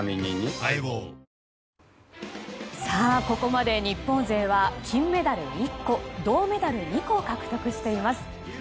ここまで日本勢は金メダル１個、銅メダル２個獲得しています。